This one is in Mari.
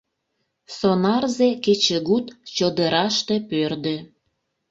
Сонарзе кечыгут чодыраште пӧрдӧ.